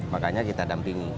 makanya kita dampingi